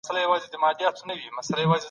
هغه وويل چي ارقام يې راټول کړي دي.